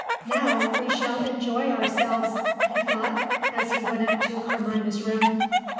"Now we shall enjoy ourselves!" he thought as he went up to Carmina's room.